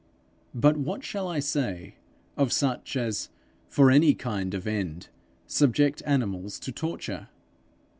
But what shall I say of such as for any kind of end subject animals to torture?